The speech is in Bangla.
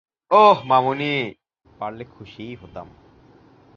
ওহ, মামুনি, পারলে খুশিই হতাম।